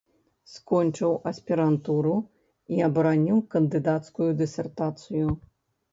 Скончыў аспірантуру і абараніў кандыдацкую дысертацыю.